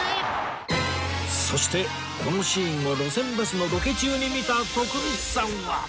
そしてこのシーンを『路線バス』のロケ中に見た徳光さんは